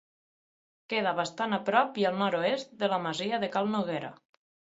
Queda bastant a prop i al nord-oest de la masia de Cal Noguera.